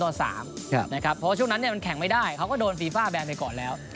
เพราะว่าช่วงนั้นมันแข่งไม่ได้เขาก็โดนฟีฟ่าแบนไปก่อนแล้ว